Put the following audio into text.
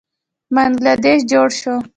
بنګله دیش جوړ شو.